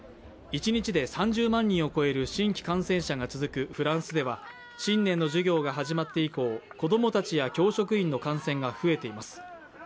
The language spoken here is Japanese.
一日で３０万人を超える新規感染者が続くフランスでは、新年の授業が始まって以降子供たちや教職員の感染が増えています。